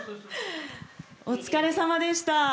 お疲れさまでした。